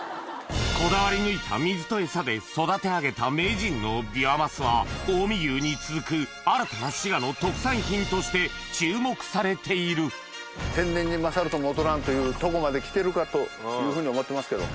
こだわり抜いた水とエサで育て上げた名人のビワマスは近江牛に続く新たな滋賀の特産として注目されているかというふうに思ってますけど。